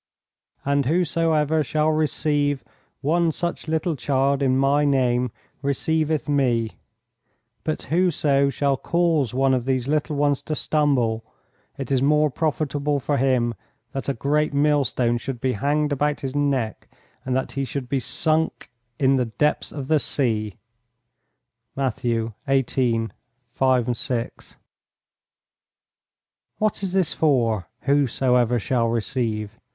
"And whosoever shall receive one such little child in My name receiveth Me, but whoso shall cause one of these little ones to stumble, it is more profitable for him that a great millstone should be hanged about his neck and that he should be sunk in the depths of the sea." (Matt. xviii. 5, 6.) "What is this for, 'Whosoever shall receive?